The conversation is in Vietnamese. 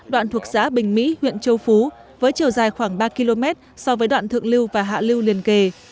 đoạn thuộc xã bình mỹ huyện châu phú với chiều dài khoảng ba km so với đoạn thượng lưu và hạ lưu liên kề